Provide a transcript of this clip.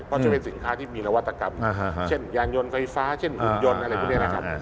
เพราะจะเป็นสินค้าที่มีนวัตกรรมเช่นยานยนต์ไฟฟ้าเช่นหุ่นยนต์อะไรพวกนี้นะครับ